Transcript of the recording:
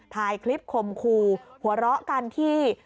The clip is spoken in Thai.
ถ่ายคลิปคมครูหัวเราะกันที่